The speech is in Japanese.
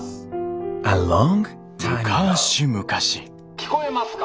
「聞こえますか。